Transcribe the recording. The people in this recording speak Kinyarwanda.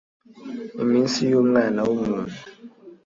iminsi y Umwana w umuntu